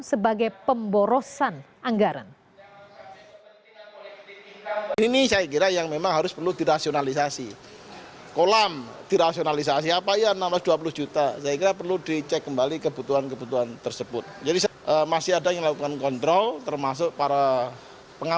sebagai pemborosan anggaran